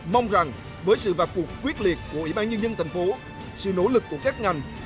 mong rằng với sự vạc cuộc quyết liệt của ủy ban nhân dân thành phố sự nỗ lực của các ngành